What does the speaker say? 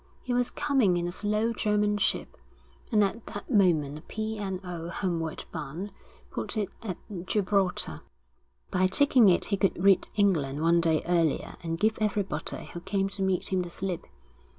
He was coming in a slow German ship, and at that moment a P. and O., homeward bound, put in at Gibraltar. By taking it he could reach England one day earlier and give everyone who came to meet him the slip.